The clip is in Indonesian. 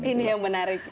ini yang menarik